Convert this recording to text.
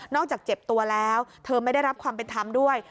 จากเจ็บตัวแล้วเธอไม่ได้รับความเป็นธรรมด้วย